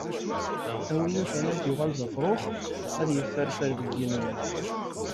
A wi yufan ad yuɣal d afrux, ad yefferfer deg yigenwan.